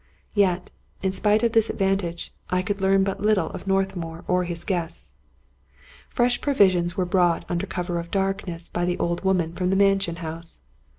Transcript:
Yet, in spite of this advantage, I could learn but little of Northmour or his guests. Fresh provisions were brought under cover of darkness ty the old woman from the mansion house.